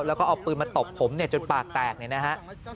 แล้วก็เอาปืนมาตบผมจนปากแตกเนี่ยนะฮะ